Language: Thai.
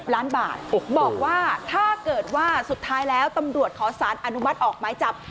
ล้านบาทบอกว่าถ้าเกิดว่าสุดท้ายแล้วตำรวจขอสารอนุมัติออกไม้จับ